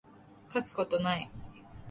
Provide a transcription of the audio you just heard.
書くことない